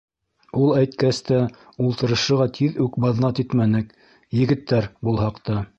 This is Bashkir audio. Ул әйткәс тә, ултырышырға тиҙ үк баҙнат итмәнек, «егеттәр» булһаҡ та.